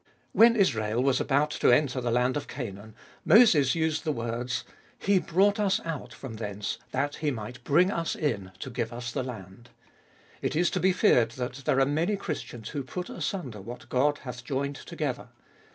When Israel was about to enter the land of Canaan, Moses used the words :" He brought us out from thence, that He migJit bring us in to give us the land." It is to be feared that there are many Christians who put asunder what God hath joined together.